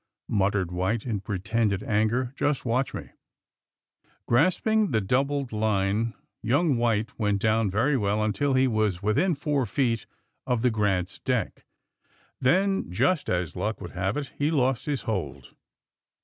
muttered White, in pretended anger. Just watch me !" Grasping the doubled line young White went down very well until he was within four feet of the ^^ Grant's" deck. Then, just as luck would have it, he lost his hold.